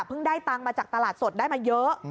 ได้ตังค์มาจากตลาดสดได้มาเยอะ